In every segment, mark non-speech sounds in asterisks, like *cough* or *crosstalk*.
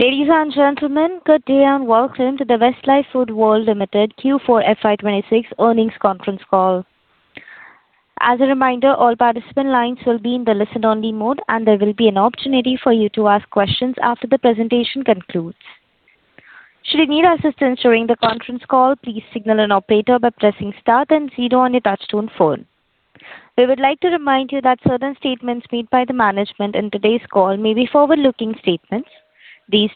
Ladies and gentlemen, good day and welcome to the Westlife Foodworld Limited Q4 FY 2026 earnings conference call. As a reminder, all participant lines will be in the listen only mode, and there will be an opportunity for you to ask questions after the presentation concludes. Should you need assistance during the conference call, please signal an operator by pressing star and zero on your touch-tone phone. We would like to remind you that certain statements made by the management in today's call may be forward-looking statements. These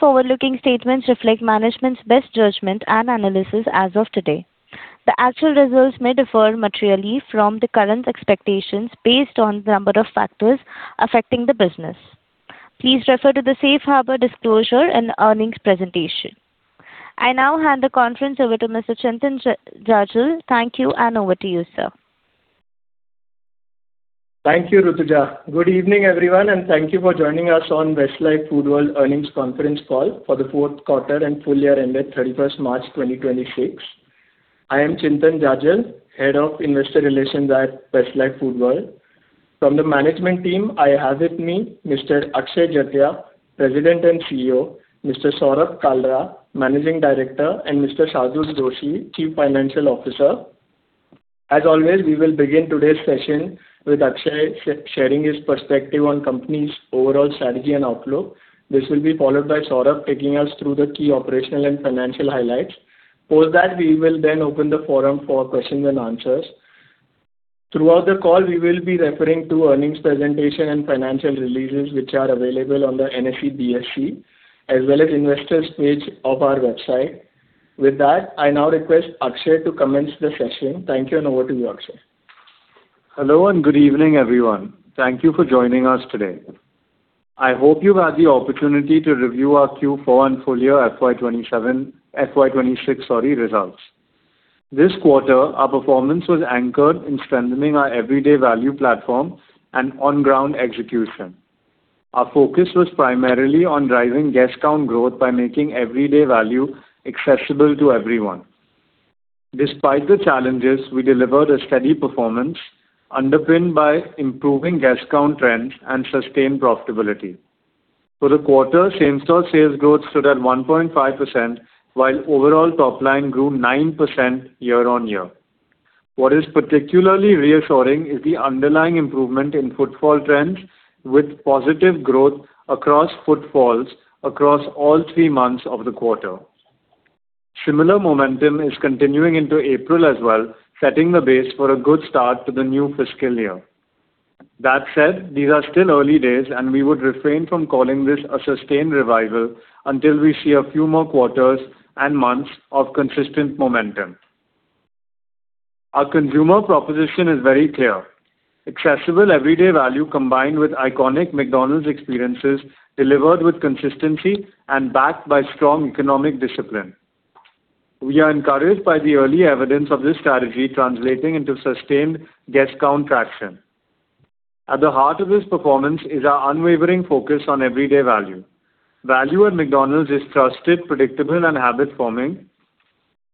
forward-looking statements reflect management's best judgment and analysis as of today. The actual results may differ materially from the current expectations based on the number of factors affecting the business. Please refer to the Safe Harbor disclosure and earnings presentation. I now hand the conference over to Mr. Chintan Jajal. Thank you, and over to you, sir. Thank you, Rutuja. Good evening, everyone, and thank you for joining us on Westlife Foodworld earnings conference call for the fourth quarter and full year ended 31st March 2026. I am Chintan Jajal, Head of Investor Relations at Westlife Foodworld. From the management team, I have with me Mr. Akshay Jatia, President and CEO, Mr. Saurabh Kalra, Managing Director, and Mr. Shardul Doshi, Chief Financial Officer. As always, we will begin today's session with Akshay sharing his perspective on company's overall strategy and outlook. This will be followed by Saurabh taking us through the key operational and financial highlights. Post that, we will then open the forum for questions and answers. Throughout the call, we will be referring to earnings presentation and financial releases, which are available on the NSE, BSE, as well as investors page of our website. With that, I now request Akshay to commence the session. Thank you, and over to you, Akshay. Hello, good evening, everyone. Thank you for joining us today. I hope you've had the opportunity to review our Q4 and full-year FY 2026 results. This quarter, our performance was anchored in strengthening our Everyday Value platform and on-ground execution. Our focus was primarily on driving guest count growth by making Everyday Value accessible to everyone. Despite the challenges, we delivered a steady performance underpinned by improving guest count trends and sustained profitability. For the quarter, same-store sales growth stood at 1.5%, while overall top line grew 9% year-on-year. What is particularly reassuring is the underlying improvement in footfall trends with positive growth across footfalls across all three months of the quarter. Similar momentum is continuing into April as well, setting the base for a good start to the new fiscal year. That said, these are still early days, and we would refrain from calling this a sustained revival until we see a few more quarters and months of consistent momentum. Our consumer proposition is very clear. Accessible Everyday Value combined with iconic McDonald's experiences delivered with consistency and backed by strong economic discipline. We are encouraged by the early evidence of this strategy translating into sustained guest count traction. At the heart of this performance is our unwavering focus on Everyday Value. Value at McDonald's is trusted, predictable, and habit-forming.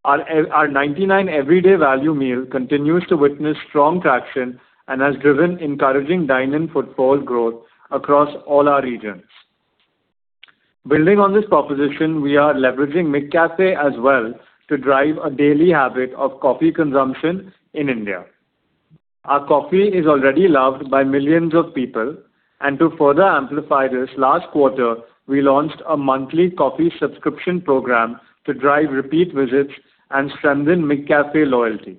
Our 99 Everyday Value Meal continues to witness strong traction and has driven encouraging dine-in footfall growth across all our regions. Building on this proposition, we are leveraging McCafé as well to drive a daily habit of coffee consumption in India. Our coffee is already loved by millions of people, and to further amplify this, last quarter, we launched a monthly coffee subscription program to drive repeat visits and strengthen McCafé loyalty.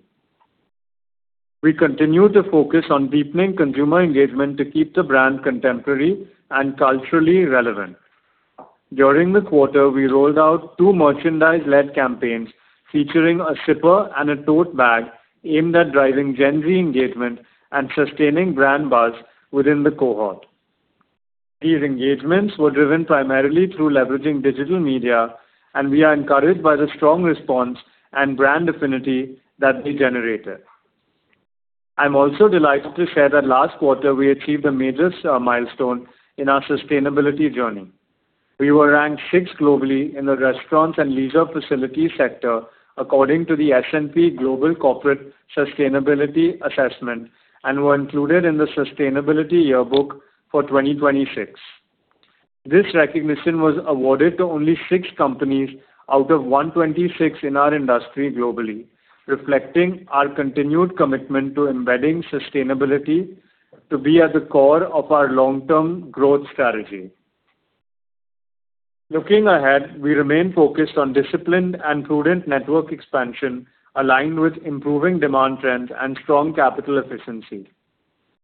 We continue to focus on deepening consumer engagement to keep the brand contemporary and culturally relevant. During the quarter, we rolled out two merchandise-led campaigns featuring a sipper and a tote bag aimed at driving Gen Z engagement and sustaining brand buzz within the cohort. These engagements were driven primarily through leveraging digital media, and we are encouraged by the strong response and brand affinity that they generated. I'm also delighted to share that last quarter we achieved a major milestone in our sustainability journey. We were ranked sixth globally in the restaurants and leisure facilities sector according to the S&P Global Corporate Sustainability Assessment and were included in the Sustainability Yearbook for 2026. This recognition was awarded to only six companies out of 126 in our industry globally, reflecting our continued commitment to embedding sustainability to be at the core of our long-term growth strategy. Looking ahead, we remain focused on disciplined and prudent network expansion aligned with improving demand trends and strong capital efficiency.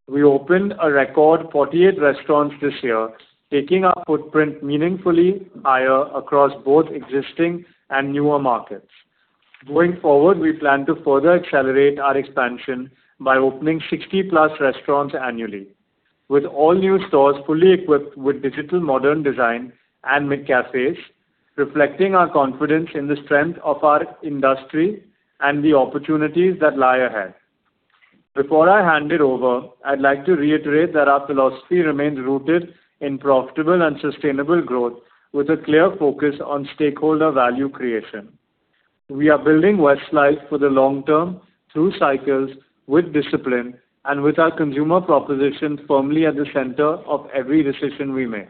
We opened a record 48 restaurants this year, taking our footprint meaningfully higher across both existing and newer markets. Going forward, we plan to further accelerate our expansion by opening 60+ restaurants annually, with all new stores fully equipped with digital modern design and McCafés, reflecting our confidence in the strength of our industry and the opportunities that lie ahead. Before I hand it over, I'd like to reiterate that our philosophy remains rooted in profitable and sustainable growth with a clear focus on stakeholder value creation. We are building Westlife for the long term through cycles with discipline and with our consumer proposition firmly at the center of every decision we make.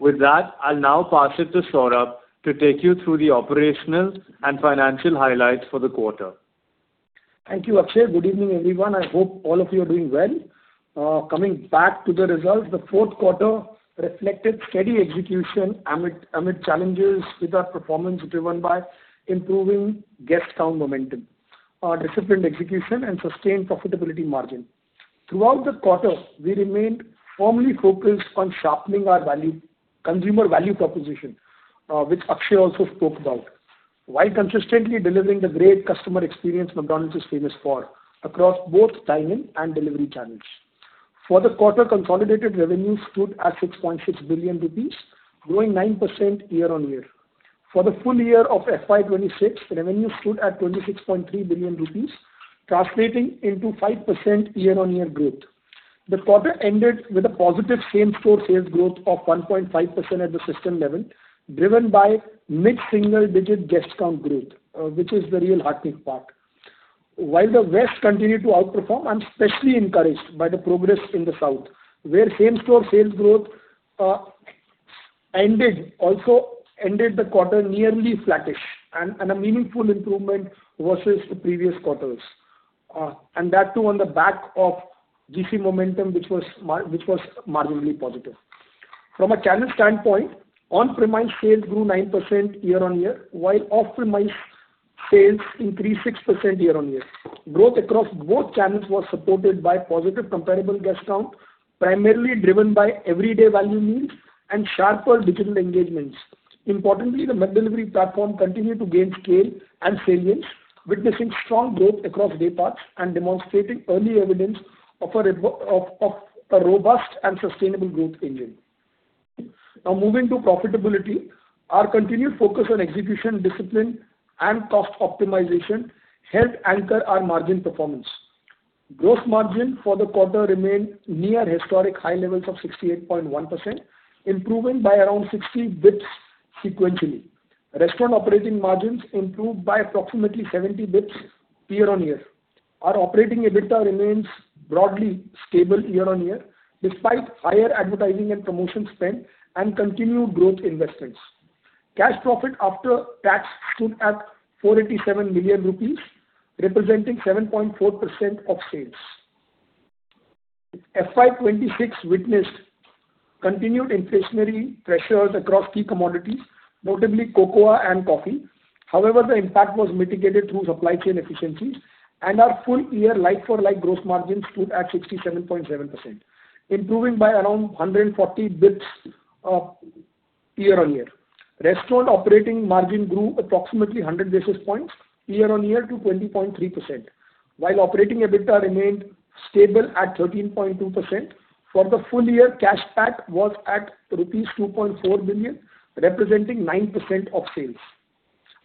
With that, I'll now pass it to Saurabh to take you through the operational and financial highlights for the quarter. Thank you, Akshay. Good evening, everyone. I hope all of you are doing well. Coming back to the results, the fourth quarter reflected steady execution amid challenges with our performance driven by improving guest count momentum, disciplined execution, and sustained profitability margin. Throughout the quarter, we remained firmly focused on sharpening our consumer value proposition, which Akshay also spoke about, while consistently delivering the great customer experience McDonald's is famous for across both dine-in and delivery channels. For the quarter, consolidated revenue stood at 6.6 billion rupees, growing 9% year-on-year. For the full year of FY 2026, revenue stood at 26.3 billion rupees, translating into 5% year-on-year growth. The quarter ended with a positive same-store sales growth of 1.5% at the system level, driven by mid-single-digit guest count growth, which is the real heartening part. While the West continued to outperform, I'm especially encouraged by the progress in the South, where same-store sales growth also ended the quarter nearly flattish and a meaningful improvement versus the previous quarters. And that too on the back of GC momentum, which was marginally positive. From a channel standpoint, on-premise sales grew 9% year-on-year, while off-premise sales increased 6% year-on-year. Growth across both channels was supported by positive comparable guest count, primarily driven by Everyday Value meals and sharper digital engagements. Importantly, the McDelivery platform continued to gain scale and salience, witnessing strong growth across day parts and demonstrating early evidence of a robust and sustainable growth engine. Moving to profitability. Our continued focus on execution discipline and cost optimization helped anchor our margin performance. Gross margin for the quarter remained near historic high levels of 68.1%, improving by around 60 basis points sequentially. Restaurant operating margins improved by approximately 70 basis points year-on-year. Our operating EBITDA remains broadly stable year-on-year, despite higher advertising and promotion spend and continued growth investments. Cash profit after tax stood at 487 million rupees, representing 7.4% of sales. FY 2026 witnessed continued inflationary pressures across key commodities, notably cocoa and coffee. However, the impact was mitigated through supply chain efficiencies and our full year like-for-like gross margin stood at 67.7%, improving by around 140 basis points year-on-year. Restaurant operating margin grew approximately 100 basis points year-on-year to 20.3%, while operating EBITDA remained stable at 13.2%. For the full year, cash PAT was at rupees 2.4 billion, representing 9% of sales.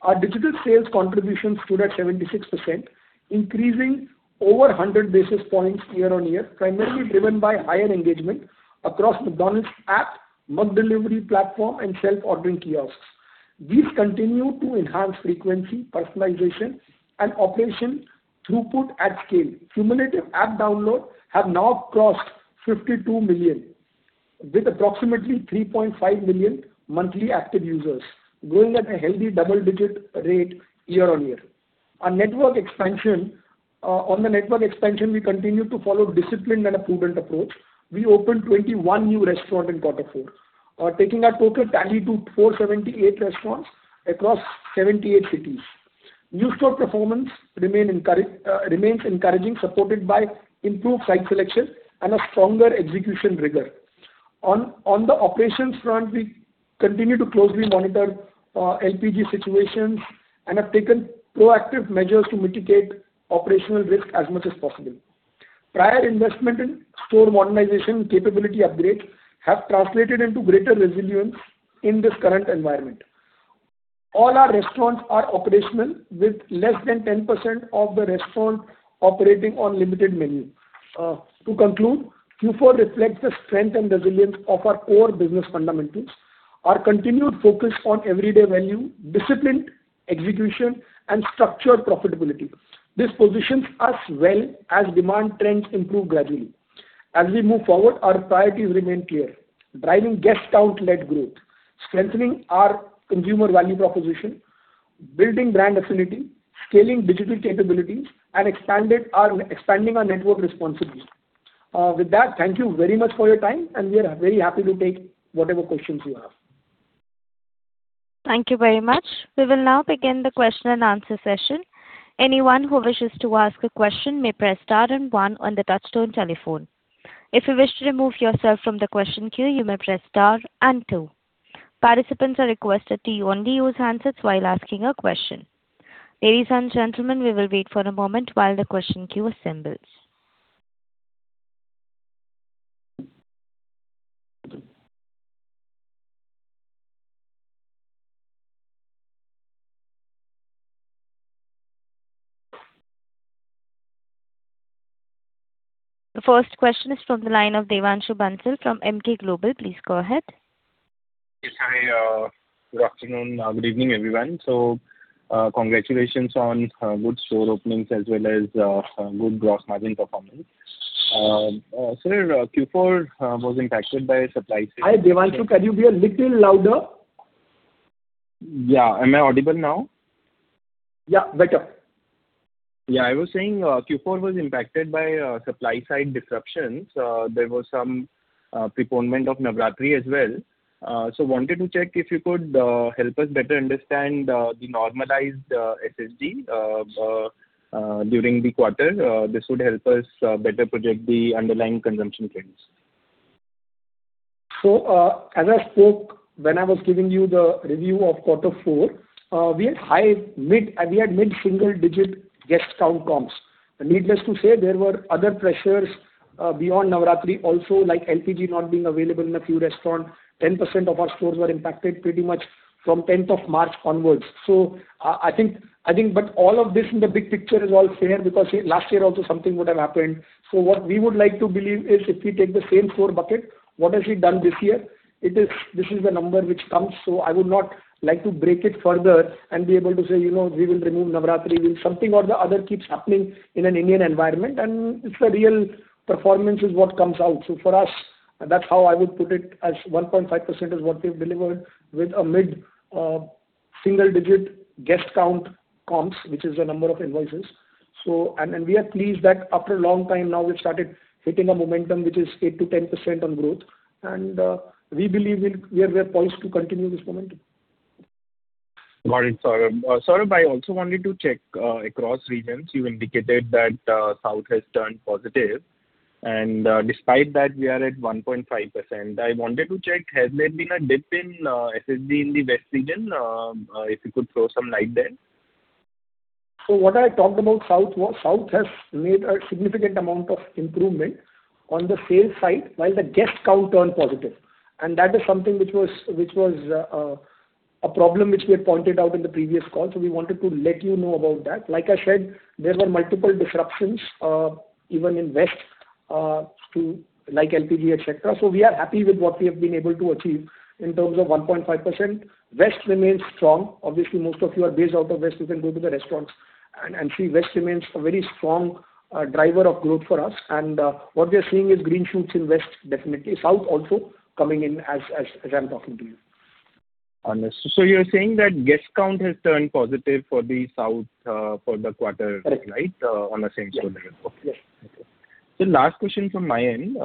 Our digital sales contribution stood at 76%, increasing over 100 basis points year-on-year, primarily driven by higher engagement across McDonald's app, McDelivery platform, and self-ordering kiosks. These continue to enhance frequency, personalization, and operation throughput at scale. Cumulative app download have now crossed 52 million, with approximately 3.5 million monthly active users, growing at a healthy double-digit rate year-on-year. On the network expansion, we continue to follow disciplined and a prudent approach. We opened 21 new restaurant in Q4, taking our total tally to 478 restaurants across 78 cities. New store performance remains encouraging, supported by improved site selection and a stronger execution rigor. On the operations front, we continue to closely monitor LPG situations and have taken proactive measures to mitigate operational risk as much as possible. Prior investment in store modernization capability upgrades have translated into greater resilience in this current environment. All our restaurants are operational with less than 10% of the restaurant operating on limited menu. To conclude, Q4 reflects the strength and resilience of our core business fundamentals, our continued focus on Everyday Value, disciplined execution, and structured profitability. This positions us well as demand trends improve gradually. As we move forward, our priorities remain clear: driving guest count-led growth, strengthening our consumer value proposition, building brand affinity, scaling digital capabilities, and expanding our network responsibly. With that, thank you very much for your time. We are very happy to take whatever questions you have. Thank you very much. We will now begin the question and answer session. Anyone who wishes to ask a question may press star one on the touch-tone telephone. If you wish to remove yourself from the question queue, you may press star two. Participants are requested to only use handsets while asking a question. Ladies and gentlemen, we will wait for a moment while the question queue assembles. The first question is from the line of Devanshu Bansal from Emkay Global. Please go ahead. Yes, hi, good afternoon, good evening, everyone. Congratulations on good store openings as well as good gross margin performance. Sir, Q4 was impacted by supply. Hi, Devanshu, can you be a little louder? Yeah. Am I audible now? Yeah, better. Yeah, I was saying, Q4 was impacted by supply-side disruptions. There was some preponement of Navratri as well. Wanted to check if you could help us better understand the normalized SSSG during the quarter. This would help us better project the underlying consumption trends. As I spoke when I was giving you the review of Q4, we had mid-single digit guest count comps. Needless to say, there were other pressures, beyond Navratri also, like LPG not being available in a few restaurant. Ten percent of our stores were impacted pretty much from 10th of March onwards. I think but all of this in the big picture is all fair because last year also something would have happened. What we would like to believe is if we take the same store bucket, what has it done this year? This is the number which comes, so I would not like to break it further and be able to say, you know, we will remove Navratri. Something or the other keeps happening in an Indian environment, and it's the real performance is what comes out. For us, that's how I would put it, as 1.5% is what we've delivered with a mid-single-digit guest count comps, which is the number of invoices. We are pleased that after a long time now we've started hitting a momentum which is 8%-10% on growth. We believe we are well poised to continue this momentum. Got it, Saurabh. Saurabh, I also wanted to check across regions. You indicated that south has turned positive and despite that we are at 1.5%. I wanted to check, has there been a dip in SSSG in the West region? If you could throw some light there. What I talked about South was South has made a significant amount of improvement on the sales side while the guest count turned positive. That is something which was a problem which we had pointed out in the previous call, so we wanted to let you know about that. Like I said, there were multiple disruptions even in west to like LPG, et cetera. We are happy with what we have been able to achieve in terms of 1.5%. West remains strong. Obviously, most of you are based out of West, you can go to the restaurants and see West remains a very strong driver of growth for us. What we are seeing is green shoots in West, definitely. South also coming in as I'm talking to you. Understood. You're saying that guest count has turned positive for the South for the quarter? Correct. Right? On a same-store level. Yes. Okay. Sir, last question from my end.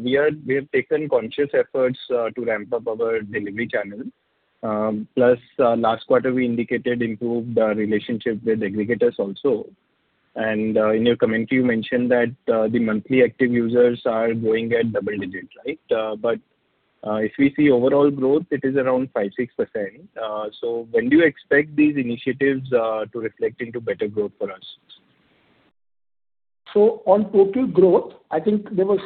We have taken conscious efforts to ramp up our delivery channel. Plus, last quarter we indicated improved relationship with aggregators also. In your commentary you mentioned that the monthly active users are growing at double digits, right? If we see overall growth, it is around 5%, 6%. When do you expect these initiatives to reflect into better growth for us? On total growth, I think there was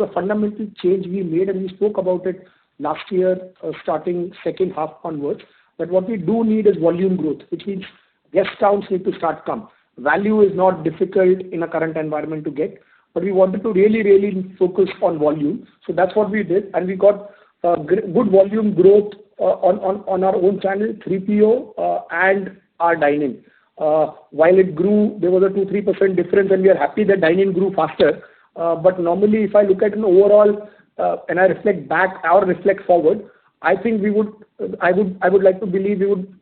a fundamental change we made, and we spoke about it last year, starting second half onwards, that what we do need is volume growth, which means guest counts need to start come. Value is not difficult in a current environment to get, but we wanted to really, really focus on volume. That's what we did, and we got good volume growth on our own channel, 3PO, and our dine-in. While it grew, there was a 2%-3% difference, and we are happy that dine-in grew faster. Normally, if I look at an overall, and I reflect back or reflect forward, I think we would. I would like to believe we would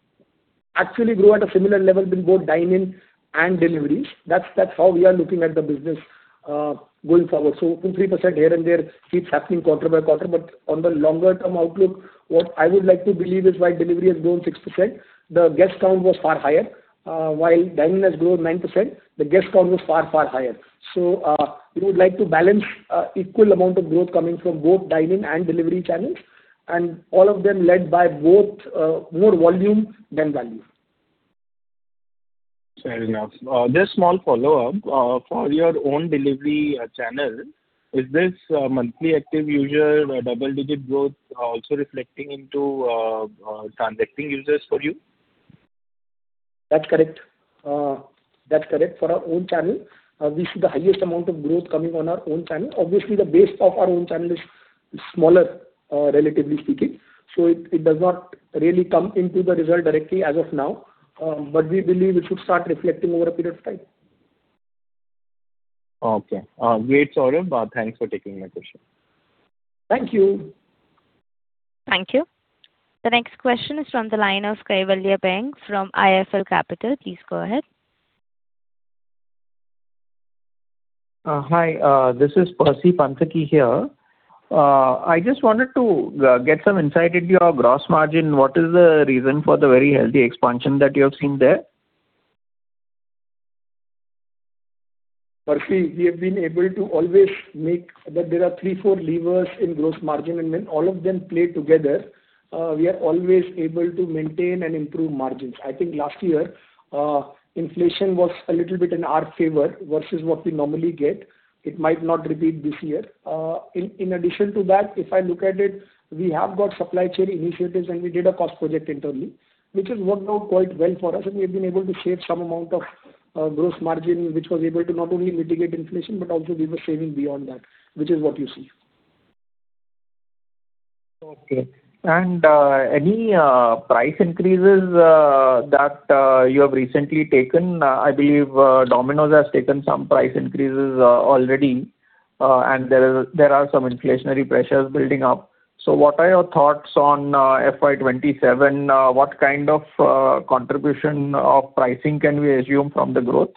actually grow at a similar level with both dine-in and deliveries. That's how we are looking at the business going forward. Two percent, 3% here and there keeps happening quarter by quarter. On the longer term outlook, what I would like to believe is while delivery has grown 6%, the guest count was far higher. While dine-in has grown 9%, the guest count was far, far higher. We would like to balance equal amount of growth coming from both dine-in and delivery channels, and all of them led by both more volume than value. Fair enough. Just small follow-up. For your own delivery channel, is this monthly active user double-digit growth also reflecting into transacting users for you? That's correct. That's correct. For our own channel, we see the highest amount of growth coming on our own channel. Obviously, the base of our own channel is smaller, relatively speaking, so it does not really come into the result directly as of now, but we believe it should start reflecting over a period of time. Okay. Great, Saurabh. Thanks for taking my question. Thank you. Thank you. The next question is from the line of Kaivalya Baing from IIFL Capital. Please go ahead. Hi, this is Percy Panthaki here. I just wanted to get some insight into your gross margin. What is the reason for the very healthy expansion that you have seen there? Percy, we have been able to always. There are three, four levers in gross margin, and when all of them play together, we are always able to maintain and improve margins. I think last year, inflation was a little bit in our favor versus what we normally get. It might not repeat this year. In addition to that, if I look at it, we have got supply chain initiatives and we did a cost project internally, which has worked out quite well for us, and we have been able to save some amount of gross margin, which was able to not only mitigate inflation, but also we were saving beyond that, which is what you see. Okay. Any price increases that you have recently taken? I believe Domino's has taken some price increases already, and there are some inflationary pressures building up. What are your thoughts on FY 2027? What kind of contribution of pricing can we assume from the growth?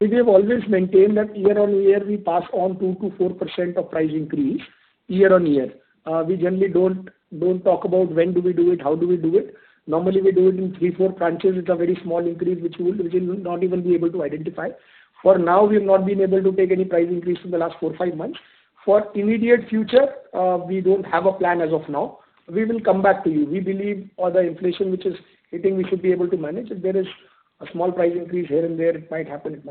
We have always maintained that year on year we pass on 2%-4% of price increase year on year. We generally don't talk about when do we do it, how do we do it. Normally, we do it in three, four branches. It's a very small increase which you will not even be able to identify. For now, we've not been able to take any price increase in the last four, five months. For immediate future, we don't have a plan as of now. We will come back to you. We believe all the inflation which is hitting, we should be able to manage. If there is a small price increase here and there, it might happen.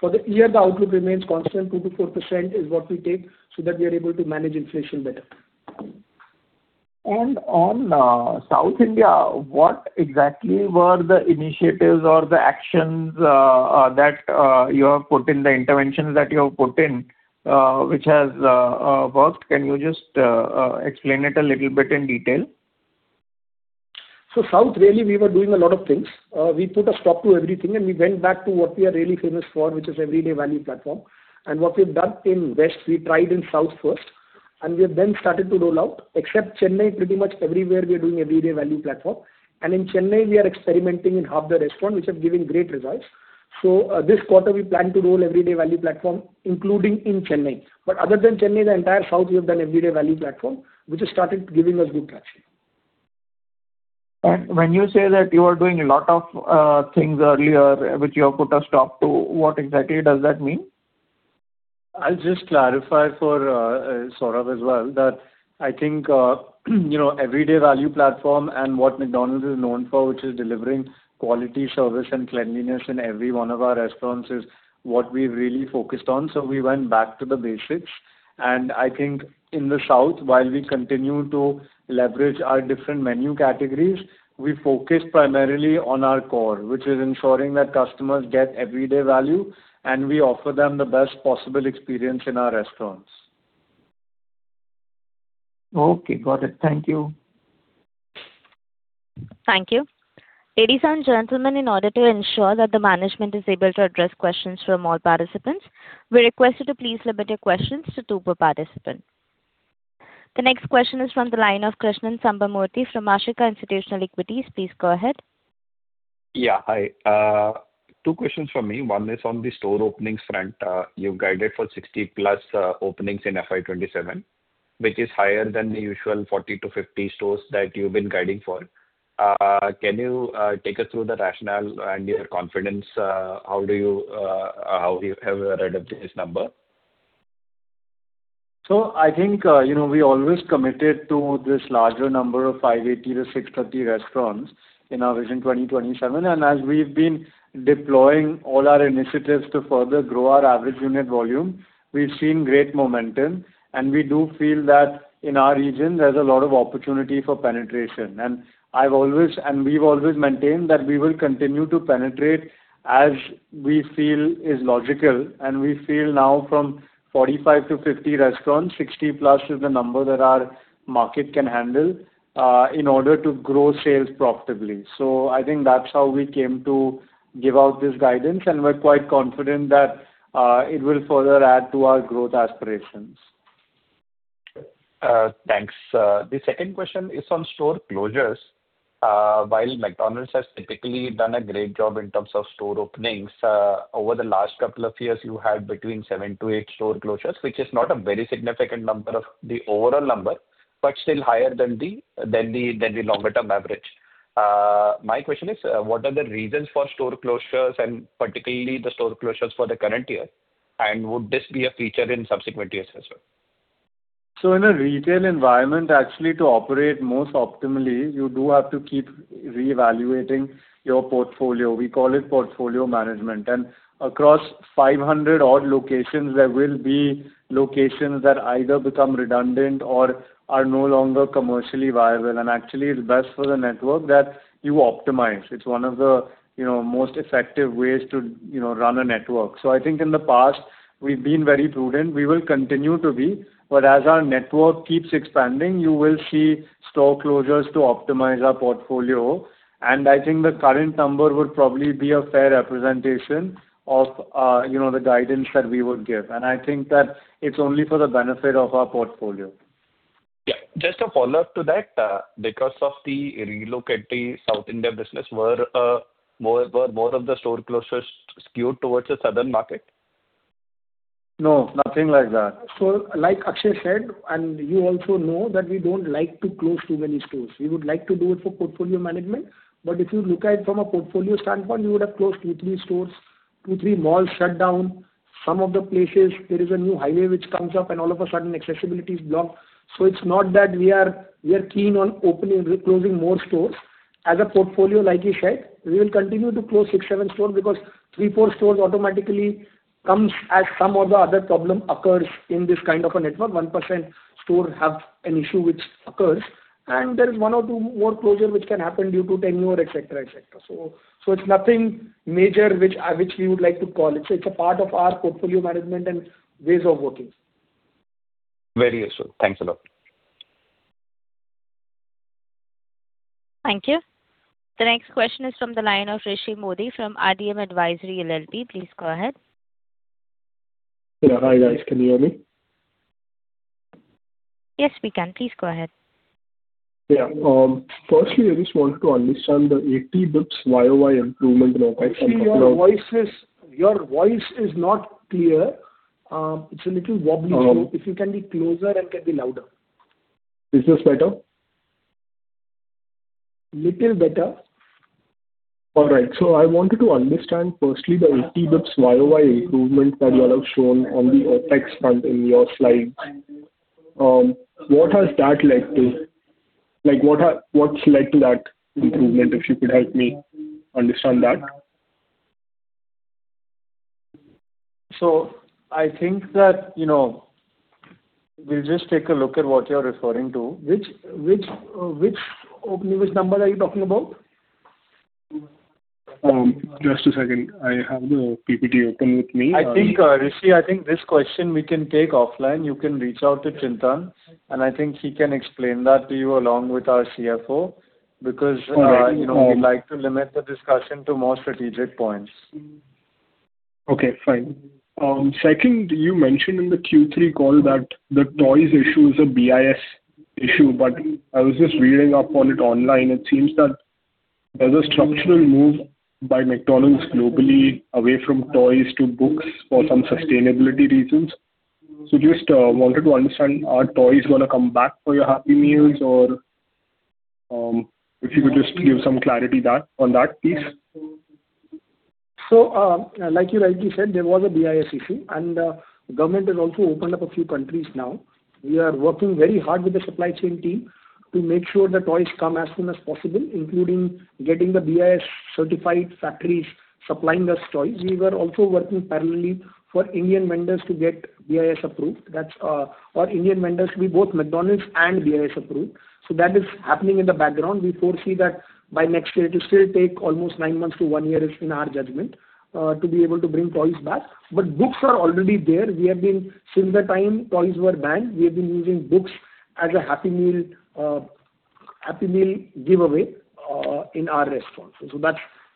For the year, the outlook remains constant, 2%-4% is what we take so that we are able to manage inflation better. On South India, what exactly were the initiatives or the actions that you have put in, the interventions that you have put in, which has worked? Can you just explain it a little bit in detail? South, really we were doing a lot of things. We put a stop to everything, and we went back to what we are really famous for, which is Everyday Value platform. What we've done in West, we tried in South first, and we have then started to roll out. Except Chennai, pretty much everywhere we are doing Everyday Value platform. In Chennai we are experimenting in half the restaurant, which has given great results. This quarter we plan to roll Everyday Value platform, including in Chennai. Other than Chennai, the entire South we have done Everyday Value platform, which has started giving us good traction. When you say that you are doing a lot of things earlier which you have put a stop to, what exactly does that mean? I'll just clarify for Saurabh as well that I think, you know, Everyday Value platform and what McDonald's is known for, which is delivering quality service and cleanliness in every one of our restaurants, is what we've really focused on. We went back to the basics. I think in the South, while we continue to leverage our different menu categories, we focus primarily on our core, which is ensuring that customers get Everyday Value, and we offer them the best possible experience in our restaurants. Okay. Got it. Thank you. Thank you. Ladies and gentlemen, in order to ensure that the management is able to address questions from all participants, we request you to please limit your questions to two per participant. The next question is from the line of Krishnan Sambamoorthy from Ashika Institutional Equities. Please go ahead. Hi. two questions from me. One is on the store openings front. you've guided for 60+ openings in FY 2027, which is higher than the usual 40-50 stores that you've been guiding for. can you take us through the rationale and your confidence? how do you have arrived at this number? I think, you know, we always committed to this larger number of 580-630 restaurants in our Vision 2027. As we've been deploying all our initiatives to further grow our average unit volume, we've seen great momentum. We do feel that in our region there's a lot of opportunity for penetration. I've always, and we've always maintained that we will continue to penetrate as we feel is logical. We feel now from 45-50 restaurants, 60+ is the number that our market can handle in order to grow sales profitably. I think that's how we came to give out this guidance. We're quite confident that it will further add to our growth aspirations. Thanks. The second question is on store closures. While McDonald's has typically done a great job in terms of store openings, over the last couple of years you had between seven to eight store closures, which is not a very significant number of the overall number, but still higher than the longer term average. My question is, what are the reasons for store closures and particularly the store closures for the current year? Would this be a feature in subsequent years as well? In a retail environment, actually to operate most optimally, you do have to keep reevaluating your portfolio. We call it portfolio management. Across 500-odd locations, there will be locations that either become redundant or are no longer commercially viable. Actually it's best for the network that you optimize. It's one of the, you know, most effective ways to, you know, run a network. I think in the past we've been very prudent. We will continue to be. As our network keeps expanding, you will see store closures to optimize our portfolio. I think the current number would probably be a fair representation of, you know, the guidance that we would give. I think that it's only for the benefit of our portfolio. Just a follow-up to that. Because of the relocating South India business, were more of the store closures skewed towards the southern market? No, nothing like that. Like Akshay said, and you also know that we don't like to close too many stores. We would like to do it for portfolio management. If you look at from a portfolio standpoint, you would have closed two, three stores, two, three malls shut down. Some of the places there is a new highway which comes up, and all of a sudden accessibility is blocked. It's not that we are keen on closing more stores. As a portfolio, like he said, we will continue to close six, seven stores because three, four stores automatically comes as some or the other problem occurs in this kind of a network. One percent store has an issue which occurs. And there is one or two more closure which can happen due to tenure, et cetera, et cetera. It's nothing major which we would like to call it. It's a part of our portfolio management and ways of working. Very useful. Thanks a lot. Thank you. The next question is from the line of Rishi Mody from RDM Advisory LLP. Please go ahead. Yeah. Hi, guys. Can you hear me? Yes, we can. Please go ahead. Firstly, I just wanted to understand the 80 basis points YoY improvement in OpEx from. Actually, your voice is not clear. It's a little wobbly. Um- If you can be closer and can be louder. Is this better? Little better. All right. I wanted to understand firstly the 80 bps YoY improvement that you all have shown on the OpEx front in your slides. What has that led to? Like, what's led to that improvement, if you could help me understand that? I think that, you know, we’ll just take a look at what you’re referring to. Which number are you talking about? Just a second. I have the PPT open with me. I think, Rishi, I think this question we can take offline. You can reach out to Chintan. I think he can explain that to you along with our CFO. All right. You know, we'd like to limit the discussion to more strategic points. Okay, fine. Second, you mentioned in the Q3 call that the toys issue is a BIS issue. I was just reading up on it online. It seems that there's a structural move by McDonald's globally away from toys to books for some sustainability reasons. Just wanted to understand, are toys gonna come back for your Happy Meals? If you could just give some clarity on that, please. Like you rightly said, there was a BIS issue, and government has also opened up a few countries now. We are working very hard with the supply chain team to make sure the toys come as soon as possible, including getting the BIS-certified factories supplying us toys. We were also working parallelly for Indian vendors to get BIS approved. That's our Indian vendors be both McDonald's and BIS approved. That is happening in the background. We foresee that by next year it will still take almost nine months to one year is in our judgment to be able to bring toys back. Books are already there. Since the time toys were banned, we have been using books as a Happy Meal, Happy Meal giveaway, in our restaurants.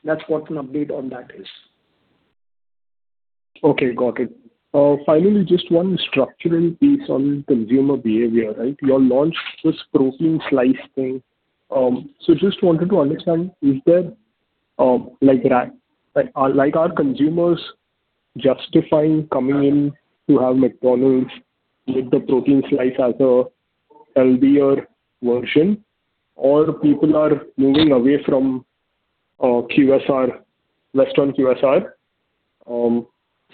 That's what an update on that is. Okay, got it. Finally, just one structural piece on consumer behavior, right? You all launched this Protein Plus Slice thing. Just wanted to understand, is there, like, are consumers justifying coming in to have McDonald's with the Protein Plus Slice as a healthier version, or people are moving away from QSR, restaurant QSR,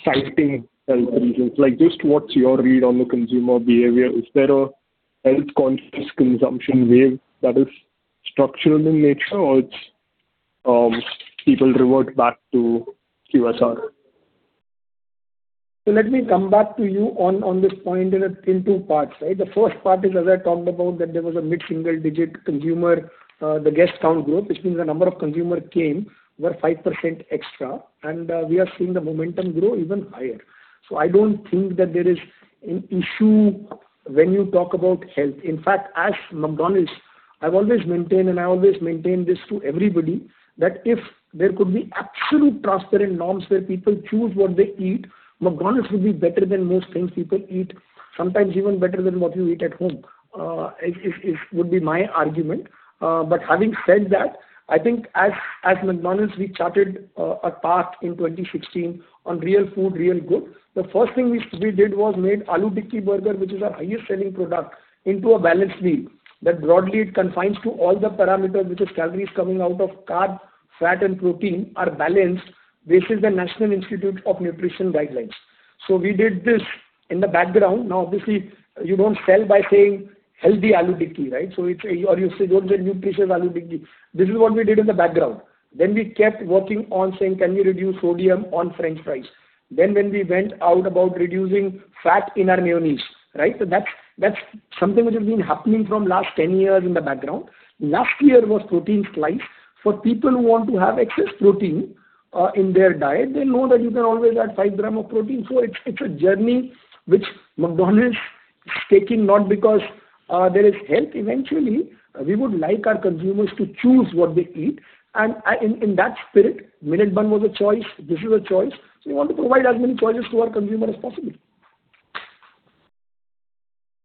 citing health reasons? Like, just what's your read on the consumer behavior? Is there a health-conscious consumption wave that is structural in nature, or it's people revert back to QSR? Let me come back to you on this point in two parts. The first part is, as I talked about, that there was a mid-single-digit consumer, the guest count growth, which means the number of consumer came were 5% extra, and we are seeing the momentum grow even higher. I don't think that there is an issue when you talk about health. In fact, as McDonald's, I've always maintained, and I always maintain this to everybody, that if there could be absolute transparent norms where people choose what they eat, McDonald's would be better than most things people eat, sometimes even better than what you eat at home, is would be my argument. Having said that, I think as McDonald's, we charted a path in 2016 on Real Food, Real Good. The first thing we did was made McAloo Tikki burger, which is our highest selling product, into a balanced meal that broadly it confines to all the parameters, which is calories coming out of carb, fat, and protein are balanced based the National Institute of Nutrition guidelines. We did this in the background. Obviously, you don't sell by saying healthy McAloo Tikki, right? Or you say, "Oh, it's a nutritious McAloo Tikki." This is what we did in the background. We kept working on saying, "Can we reduce sodium on french fries?" When we went out about reducing fat in our mayonnaise, right. That's something which has been happening from last 10 years in the background. Last year was Protein Plus Slice. For people who want to have excess protein in their diet, they know that you can always add 5 g of protein. It's a journey which McDonald's is taking not because there is health. Eventually, we would like our consumers to choose what they eat. In that spirit, Millet Bun was a choice. This is a choice. We want to provide as many choices to our consumer as possible.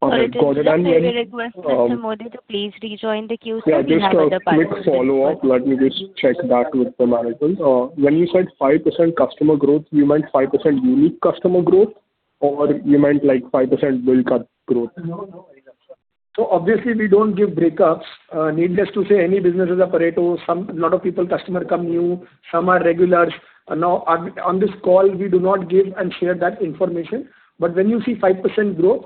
All right. Got it. Just a very quick request, Mr. Mody, to please rejoin the queue so we can have the pipeline. Yeah, just a quick follow-up. Let me just check that with the management. When you said 5% customer growth, you meant 5% unique customer growth, or you meant, like, 5% bill cut growth? Obviously, we don't give breakups. Needless to say, any business is a Pareto. A lot of people customer come new, some are regulars. On this call, we do not give and share that information, when you see 5% growth,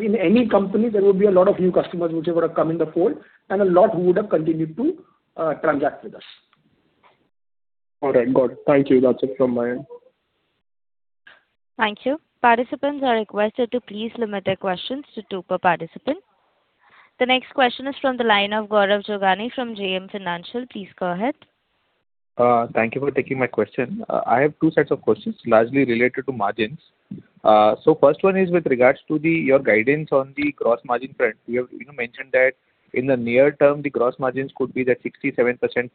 in any company, there will be a lot of new customers which would have come in the fold and a lot who would have continued to transact with us. All right, got it. Thank you. That's it from my end. Thank you. Participants are requested to please limit their questions to two per participant. The next question is from the line of Gaurav Jogani from JM Financial. Please go ahead. Thank you for taking my question. I have two sets of questions largely related to margins. First one is with regards to your guidance on the gross margin front. You have, you know, mentioned that in the near term, the gross margins could be that 67%+.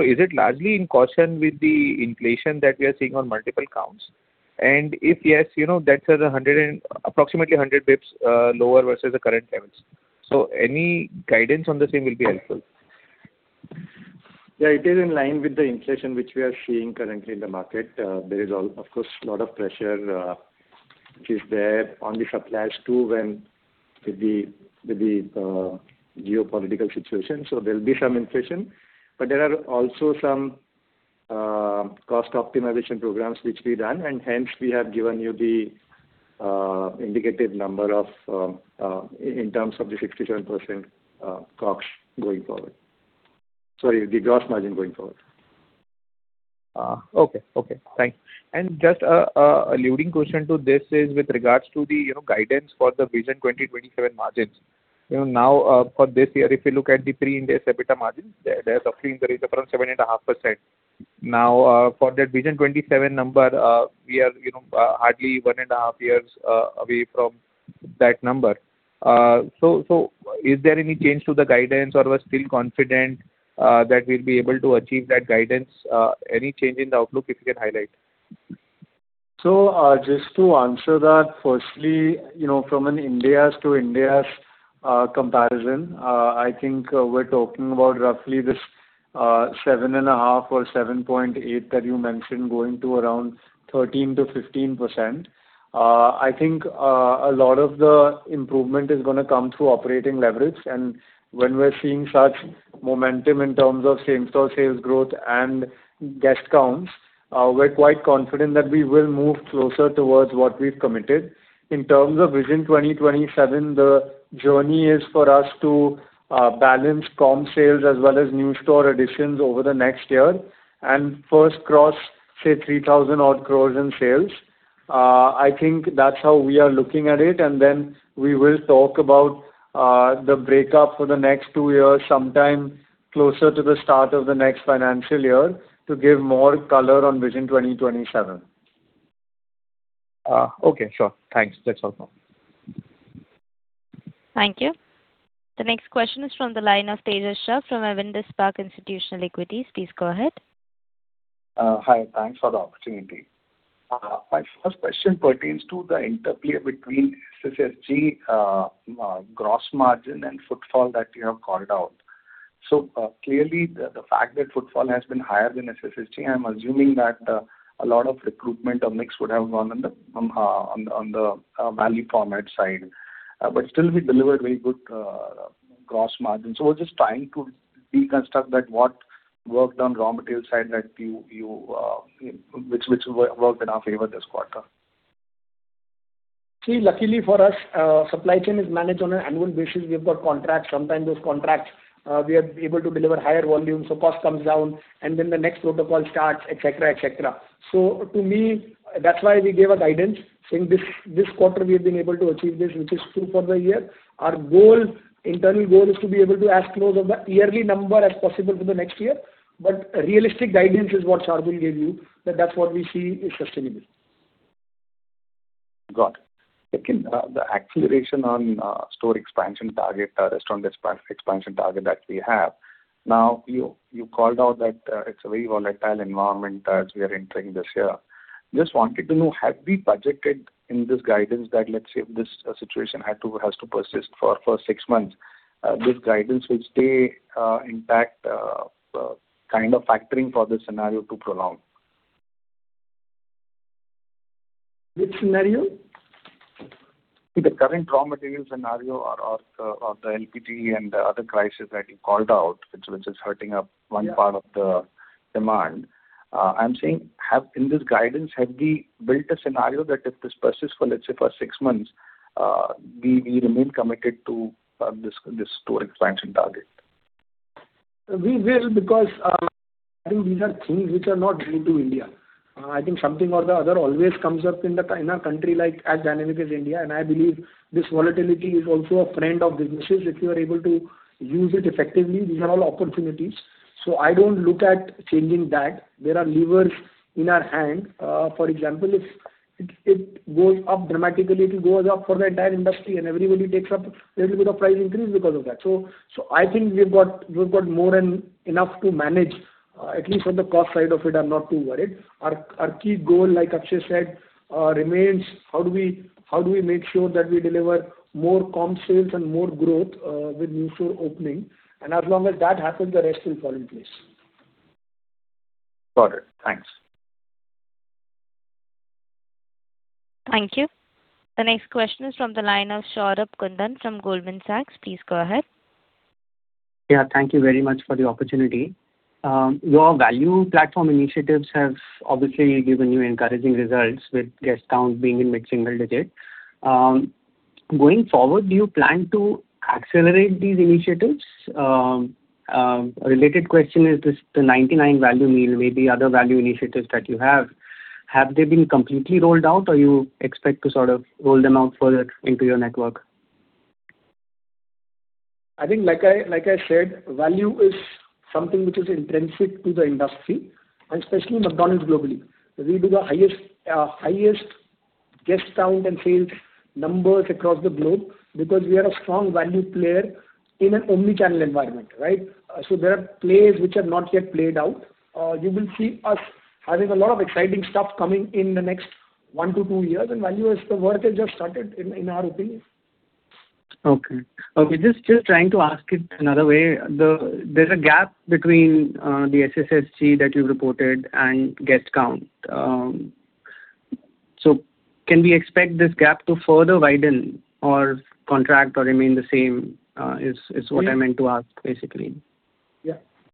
Is it largely in consonance with the inflation that we are seeing on multiple counts? If yes, you know, that's at approximately 100 basis points lower versus the current levels. Any guidance on the same will be helpful. Yeah, it is in line with the inflation which we are seeing currently in the market. There is of course, lot of pressure, which is there on the supplies too, when with the, with the geopolitical situation. There'll be some inflation. There are also some cost optimization programs which we've done, and hence we have given you the indicative number of in terms of the 67% COGS going forward. Sorry, the gross margin going forward. Okay. Okay. Thanks. Just a leading question to this is with regards to the, you know, guidance for the Vision 2027 margins. You know, now, for this year, if you look at the pre-Ind AS EBITDA margins, they're suffering there is around 7.5%. Now, for that Vision 2027 number, we are, you know, hardly one and a half years away from that number. So, is there any change to the guidance or we're still confident that we'll be able to achieve that guidance? Any change in the outlook if you can highlight? Just to answer that, firstly, you know, from an Ind AS-to-Ind AS comparison, I think, we're talking about roughly this, 7.5% or 7.8% that you mentioned going to around 13%-15%. I think, a lot of the improvement is gonna come through operating leverage. When we're seeing such momentum in terms of same-store sales growth and guest counts, we're quite confident that we will move closer towards what we've committed. In terms of Vision 2027, the journey is for us to balance comp sales as well as new store additions over the next year and first cross, say, 3,000-odd crore in sales. I think that's how we are looking at it, and then we will talk about the breakup for the next two years sometime closer to the start of the next financial year to give more color on Vision 2027. Okay. Sure. Thanks. That is all now. Thank you. The next question is from the line of Tejas Shah from Avendus Spark Institutional Equities. Please go ahead. Hi. Thanks for the opportunity. My first question pertains to the interplay between SSSG, gross margin and footfall that you have called out. Clearly the fact that footfall has been higher than SSSG, I'm assuming that a lot of recruitment of mix would have gone on the value format side. Still we delivered very good gross margin. I was just trying to deconstruct that what worked on raw material side that you, which worked in our favor this quarter. Luckily for us, supply chain is managed on an annual basis. We have got contracts. Sometimes those contracts, we are able to deliver higher volumes, so cost comes down, and then the next protocol starts, et cetera, et cetera. To me, that's why we gave a guidance, saying this quarter we have been able to achieve this, which is true for the year. Our goal, internal goal is to be able to as close of the yearly number as possible for the next year. Realistic guidance is what Shardul gave you, that that's what we see is sustainable. Got it. Second, the acceleration on store expansion target, restaurant expansion target that we have. You called out that it's a very volatile environment as we are entering this year. Just wanted to know, have we budgeted in this guidance that let's say if this situation has to persist for six months, this guidance will stay intact, kind of factoring for this scenario to prolong? Which scenario? The current raw material scenario or the LPG and the other crisis that you called out which is hurting up one part of the demand, I'm saying in this guidance, have we built a scenario that if this persists for, let's say, for six months, we remain committed to this store expansion target? We will because I think these are things which are not new to India. I think something or the other always comes up in a country like as dynamic as India, and I believe this volatility is also a friend of businesses if you are able to use it effectively. These are all opportunities. I don't look at changing that. There are levers in our hand. For example, if it goes up dramatically, it'll go up for the entire industry and everybody takes up a little bit of price increase because of that. I think we've got, we've got more than enough to manage. At least on the cost side of it, I'm not too worried. Our key goal, like Akshay said, remains how do we make sure that we deliver more comp sales and more growth with new store opening? As long as that happens, the rest will fall in place. Got it. Thanks. Thank you. The next question is from the line of Saurabh Kundan from Goldman Sachs. Please go ahead. Yeah. Thank you very much for the opportunity. Your value platform initiatives have obviously given you encouraging results with guest count being in mid-single digit. Going forward, do you plan to accelerate these initiatives? A related question is this the 99 Value Meal, maybe other value initiatives that you have they been completely rolled out or you expect to sort of roll them out further into your network? I think like I said, value is something which is intrinsic to the industry and especially McDonald's globally. We do the highest guest count and sales numbers across the globe because we are a strong value player in an omni-channel environment, right. There are plays which are not yet played out. You will see us having a lot of exciting stuff coming in the next one to two years, and value is the work has just started in our opinion. Okay. Just trying to ask it another way. There's a gap between the SSSG that you reported and guest count. Can we expect this gap to further widen or contract or remain the same, is what I meant to ask basically.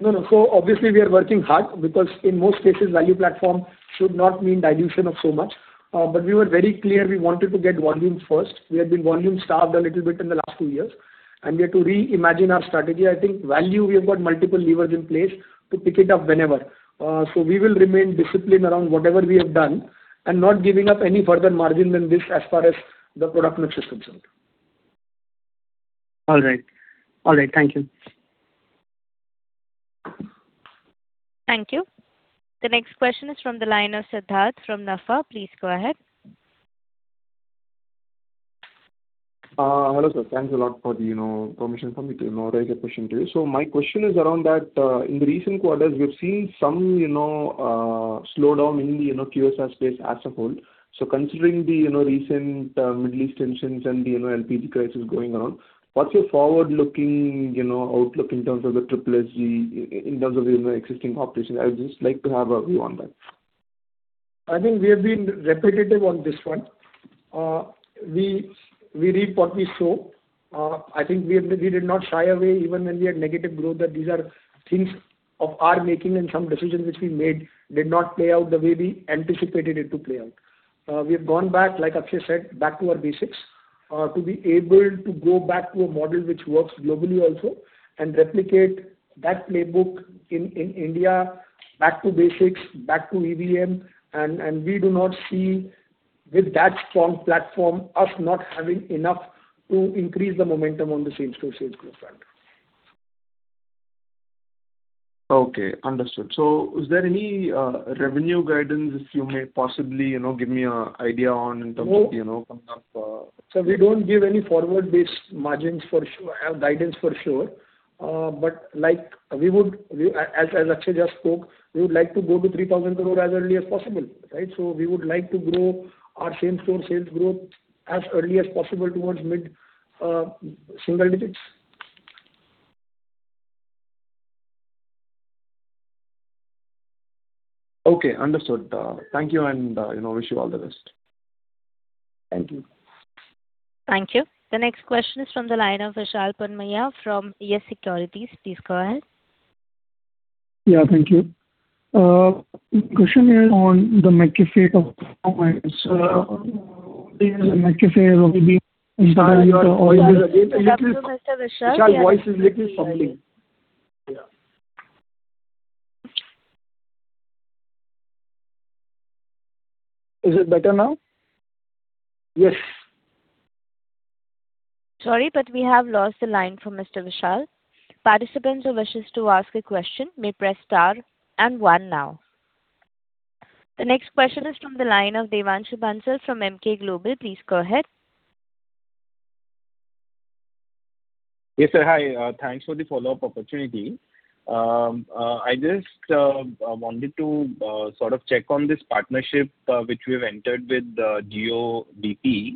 Yeah. No, no. Obviously we are working hard because in most cases, value platform should not mean dilution of so much. We were very clear we wanted to get volumes first. We had been volume starved a little bit in the last two years, and we had to reimagine our strategy. I think value, we have got multiple levers in place to pick it up whenever. We will remain disciplined around whatever we have done and not giving up any further margin than this as far as the product mix is concerned. All right. All right, thank you. Thank you. The next question is from the line of Siddharth from NAFA. Please go ahead. Hello, sir. Thanks a lot for the, you know, permission from me to, you know, raise a question to you. My question is around that, in the recent quarters, we've seen some, you know, slowdown in the, you know, QSR space as a whole. Considering the, you know, recent Middle East tensions and the, you know, LPG crisis going around, what's your forward-looking, you know, outlook in terms of the SSSG in terms of, you know, existing population? I would just like to have a view on that. I think we have been repetitive on this one. We reap what we sow. I think we did not shy away even when we had negative growth, that these are things of our making and some decisions which we made did not play out the way we anticipated it to play out. We have gone back, like Akshay said, back to our basics, to be able to go back to a model which works globally also and replicate that playbook in India back to basics, back to EVM. We do not see with that strong platform us not having enough to increase the momentum on the same-store sales growth front. Okay, understood. Is there any revenue guidance you may possibly, you know, give me a idea on in terms of. No. You know, kind of. Sir, we don't give any forward-based margins guidance for sure. But like as Akshay just spoke, we would like to go to 3,000 crore as early as possible, right? We would like to grow our same-store sales growth as early as possible towards mid-single digits. Okay, understood. Thank you and, you know, wish you all the best. Thank you. Thank you. The next question is from the line of Vishal Punmiya from YES SECURITIES. Please go ahead. Yeah, thank you. Question is on the McCafé performance. McCafé will be inside your *inaudible* Sorry, we are unable to hear you, Mr. Vishal. Vishal, voice is little fumbly. Yeah. Is it better now? Yes. Sorry, we have lost the line from Mr. Vishal. Participants who wishes to ask a question may press star and one now. The next question is from the line of Devanshu Bansal from Emkay Global. Please go ahead. Yes, sir. Hi, thanks for the follow-up opportunity. I just wanted to sort of check on this partnership, which we've entered with Jio-bp.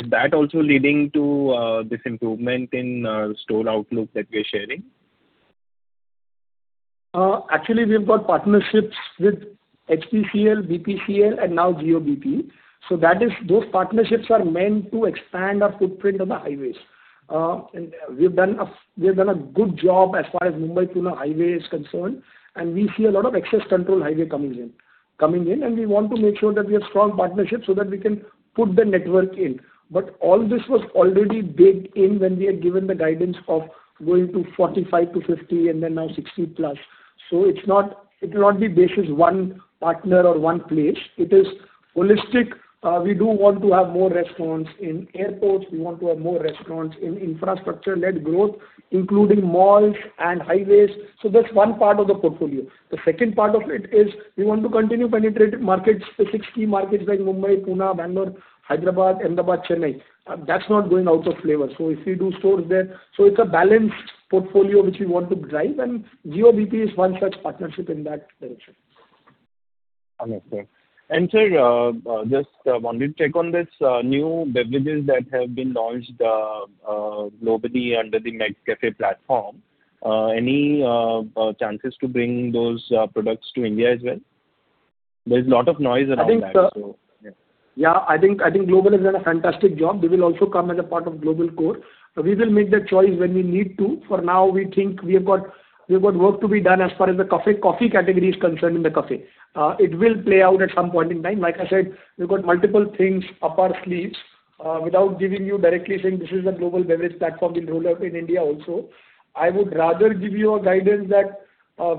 Is that also leading to this improvement in store outlook that we're sharing? Actually, we've got partnerships with HPCL, BPCL and now Jio-bp. Those partnerships are meant to expand our footprint on the highways. We've done a good job as far as Mumbai-Pune highway is concerned, and we see a lot of access control highway coming in, and we want to make sure that we have strong partnerships so that we can put the network in. All this was already baked in when we had given the guidance of going to 45-50 and then now 60+. It'll not be basis one partner or one place. It is holistic. We do want to have more restaurants in airports. We want to have more restaurants in infrastructure-led growth, including malls and highways. That's one part of the portfolio. The second part of it is we want to continue penetrating markets, the six key markets like Mumbai, Pune, Bangalore, Hyderabad, Ahmedabad, Chennai. That's not going out of flavor. If we do stores there So it's a balanced portfolio which we want to drive, and Jio-bp is one such partnership in that direction. Understood. Sir, just wanted to check on this new beverages that have been launched globally under the McCafé platform. Any chances to bring those products to India as well? There's a lot of noise around that. I think global has done a fantastic job. They will also come as a part of global core. We will make that choice when we need to. For now, we think we have got work to be done as far as the coffee category is concerned in the McCafé. It will play out at some point in time. Like I said, we've got multiple things up our sleeves. Without giving you directly saying this is a global beverage platform build up in India also, I would rather give you a guidance that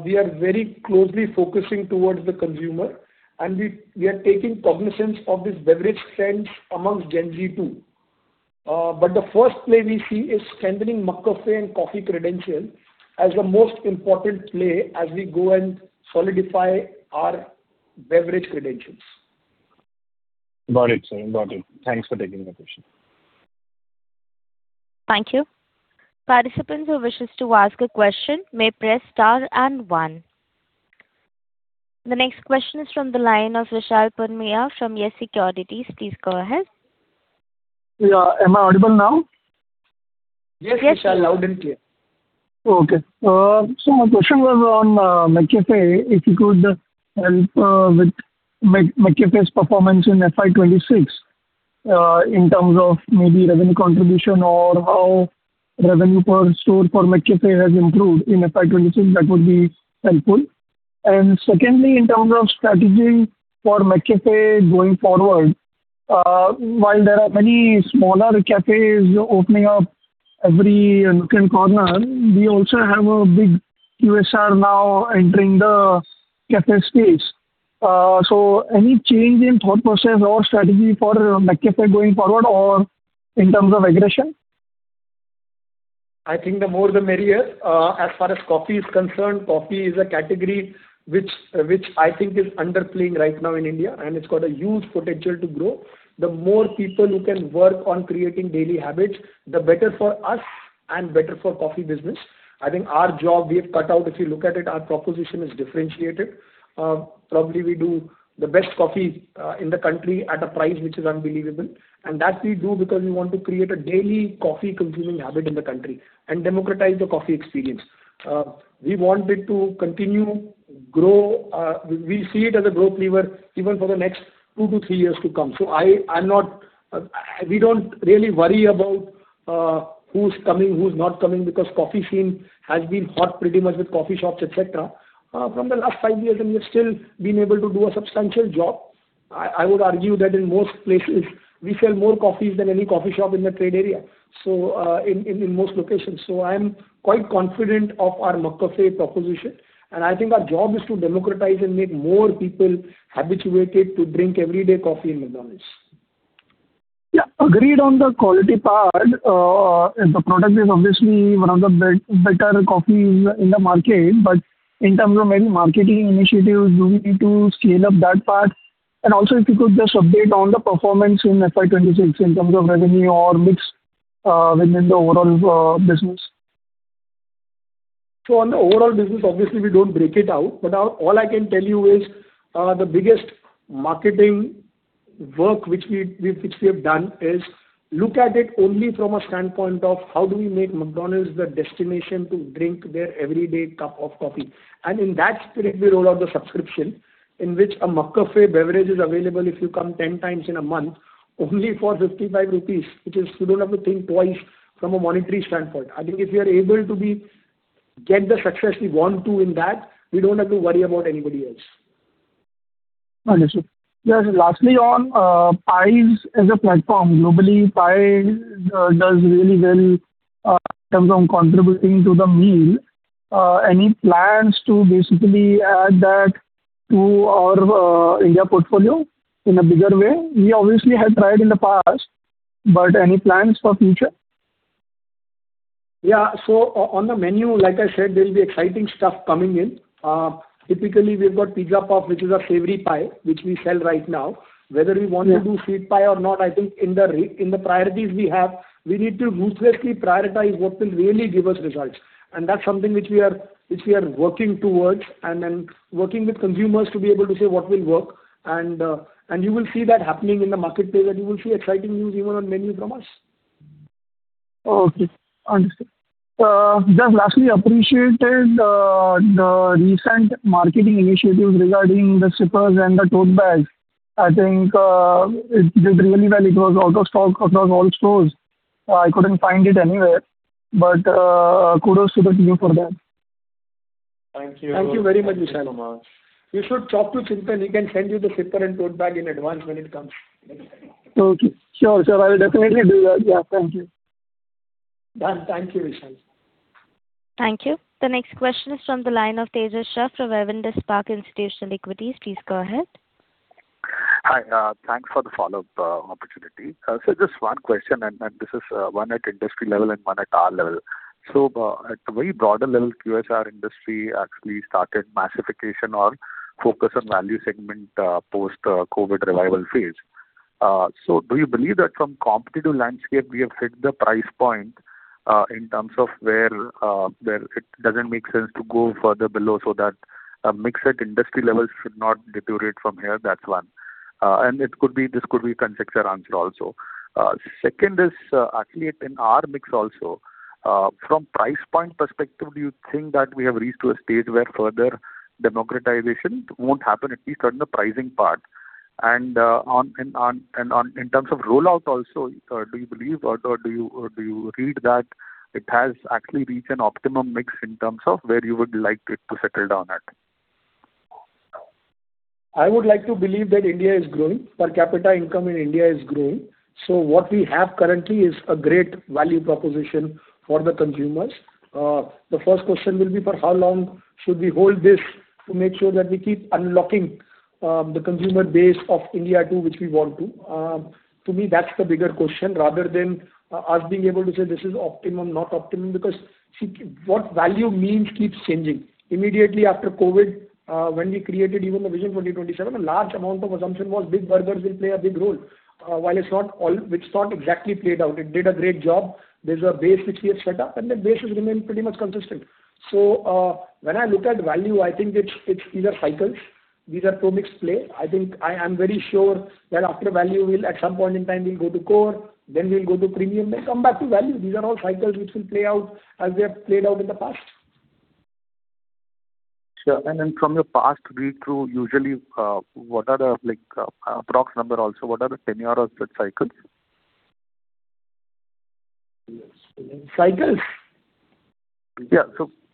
we are very closely focusing towards the consumer, and we are taking cognizance of this beverage trends amongst Gen Z too. The first play we see is strengthening McCafé and coffee credential as the most important play as we go and solidify our beverage credentials. Got it, sir. Got it. Thanks for taking my question. Thank you. Participants who wishes to ask a question may press star and one. The next question is from the line of Vishal Punmiya from YES SECURITIES. Please go ahead. Yeah. Am I audible now? Yes, Vishal, loud and clear. Okay. My question was on McCafé. If you could help with McCafé's performance in FY 2026, in terms of maybe revenue contribution or how revenue per store for McCafé has improved in FY 2026, that would be helpful. Secondly, in terms of strategy for McCafé going forward, while there are many smaller cafes opening up every nook and corner, we also have a big QSR now entering the cafe space. Any change in thought process or strategy for McCafé going forward or in terms of aggression? I think the more the merrier. As far as coffee is concerned, coffee is a category which I think is underplaying right now in India, and it's got a huge potential to grow. The more people who can work on creating daily habits, the better for us and better for coffee business. I think our job we have cut out, if you look at it, our proposition is differentiated. Probably we do the best coffee in the country at a price which is unbelievable. That we do because we want to create a daily coffee consuming habit in the country and democratize the coffee experience. We want it to continue grow. We see it as a growth lever even for the next two to three years to come. I'm not, we don't really worry about who's coming, who's not coming, because coffee scene has been hot pretty much with coffee shops, et cetera, from the last five years, and we've still been able to do a substantial job. I would argue that in most places we sell more coffees than any coffee shop in the trade area, so, in most locations. I am quite confident of our McCafé proposition, and I think our job is to democratize and make more people habituated to drink everyday coffee in McDonald's. Yeah, agreed on the quality part. The product is obviously one of the better coffee in the, in the market. In terms of any marketing initiatives, do we need to scale up that part? Also if you could just update on the performance in FY 2026 in terms of revenue or mix within the overall business. On the overall business, obviously we don't break it out, but all I can tell you is, the biggest marketing work which we have done is look at it only from a standpoint of how do we make McDonald's the destination to drink their everyday cup of coffee. In that spirit, we rolled out the subscription in which a McCafé beverage is available if you come 10 times in a month only for 55 rupees, which is you don't have to think twice from a monetary standpoint. I think if we are able to get the success we want to in that, we don't have to worry about anybody else. Understood. Lastly on pies as a platform. Globally, pies does really well in terms of contributing to the meal. Any plans to basically add that to our India portfolio in a bigger way? We obviously have tried in the past, but any plans for future? On the menu, like I said, there'll be exciting stuff coming in. Typically we've got Pizza McPuff, which is our savory pie, which we sell right now. Whether we want to do sweet pie or not, I think in the priorities we have, we need to ruthlessly prioritize what will really give us results. That's something which we are, which we are working towards and then working with consumers to be able to say what will work and you will see that happening in the marketplace, and you will see exciting news even on menu from us. Okay. Understood. Just lastly, appreciated the recent marketing initiatives regarding the sippers and the tote bags. I think it did really well. It was out of stock across all stores. I couldn't find it anywhere. Kudos to the team for that. Thank you. Thank you very much, Vishal. You should talk to Chintan. He can send you the sipper and tote bag in advance when it comes next time. Okay. Sure. Sure. I will definitely do that. Yeah. Thank you. Done. Thank you, Vishal. Thank you. The next question is from the line of Tejas Shah from Avendus Spark Institutional Equities. Please go ahead. Hi. Thanks for the follow-up opportunity. Just one question, and this is one at industry level and one at our level. At a very broader level, QSR industry actually started massification or focus on value segment post COVID revival phase. Do you believe that from competitive landscape we have set the price point in terms of where where it doesn't make sense to go further below so that mix at industry levels should not deteriorate from here? That's one. This could be conjecture answer also. Second is, actually in our mix also, from price point perspective, do you think that we have reached to a stage where further democratization won't happen, at least on the pricing part? On, and on, and on, in terms of rollout also, do you believe or do you read that it has actually reached an optimum mix in terms of where you would like it to settle down at? I would like to believe that India is growing. Per capita income in India is growing. What we have currently is a great value proposition for the consumers. The first question will be for how long should we hold this to make sure that we keep unlocking the consumer base of India to which we want to? To me, that's the bigger question rather than us being able to say this is optimum, not optimum. See, what value means keeps changing. Immediately after COVID, when we created even the Vision 2027, a large amount of assumption was big burgers will play a big role. It's not exactly played out. It did a great job. There's a base which we have set up, and the base has remained pretty much consistent. When I look at value, I think it's these are cycles. These are pro-mix play. I think I am very sure that after value will at some point in time will go to core, then we'll go to premium, then come back to value. These are all cycles which will play out as they have played out in the past. Sure. From your past read-through, usually, what are the, like, approx number also, what are the tenure of that cycles? Cycles? Yeah.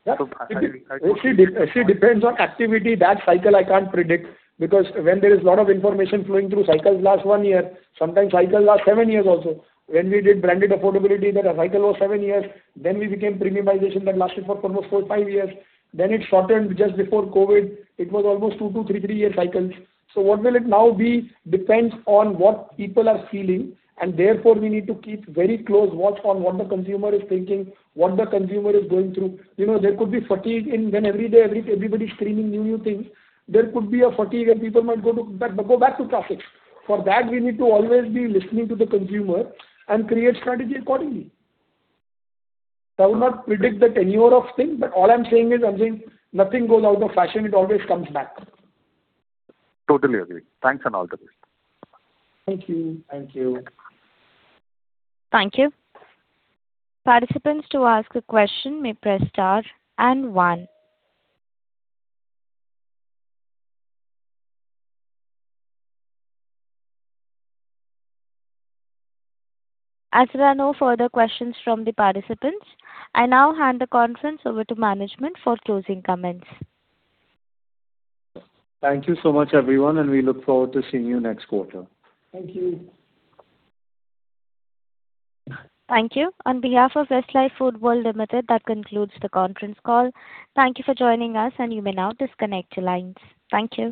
It depends on activity. That cycle I can't predict because when there is a lot of information flowing through, cycles last one year, sometimes cycles last seven years also. When we did branded affordability, a cycle was seven years. We became premiumization, that lasted for almost four, five years. It shortened just before COVID. It was almost two to three-year cycles. What will it now be depends on what people are feeling, and therefore we need to keep very close watch on what the consumer is thinking, what the consumer is going through. You know, there could be fatigue in when every day everybody's screaming new things. There could be a fatigue and people might go back to classics. For that, we need to always be listening to the consumer and create strategy accordingly. I will not predict the tenure of thing, but all I'm saying is nothing goes out of fashion. It always comes back. Totally agree. Thanks and all the best. Thank you. Thank you. Thank you. Participants to ask a question may press star and one. As there are no further questions from the participants, I now hand the conference over to management for closing comments. Thank you so much, everyone, and we look forward to seeing you next quarter. Thank you. Thank you. On behalf of Westlife Foodworld Limited, that concludes the conference call. Thank you for joining us, and you may now disconnect your lines. Thank you.